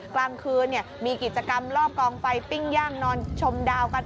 กลางคืนมีกิจกรรมรอบกองไฟปิ้งย่างนอนชมดาวกัน